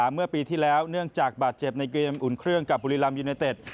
เมื่อปีที่แล้วเนื่องจากบาดเจ็บในเกมอุ่นเครื่องกับบุรีรัมยูเนเต็ด